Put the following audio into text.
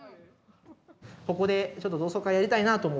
ここでちょっと同窓会やりたいなぁと思って。